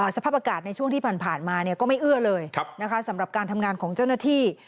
สภาพอากาศในช่วงที่ผ่านมาก็ไม่เอื้อเลยสำหรับการทำงานของเจ้าหน้าที่